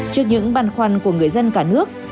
trước những băn khoăn của người dân cả nước